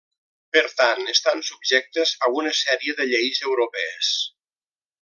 Per tant estan subjectes a una sèrie de lleis europees.